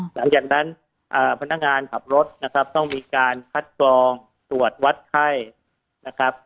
หลังจากนั้นพนักงานขับรถนะครับต้องมีการคัดกรองตรวจวัดไข้นะครับ